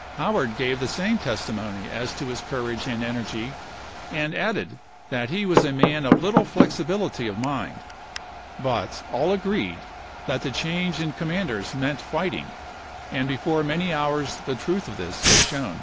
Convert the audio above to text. Howard gave the same testimony as to his courage and energy, and added that he was a man of little flexibility of mind; but all agreed that the change in com manders meant fighting, and before many hours the truth of this was shown.